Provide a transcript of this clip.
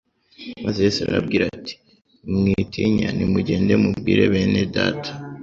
Maze Yesu arababwira ati: " Mwitinya nimugende mubwire bene data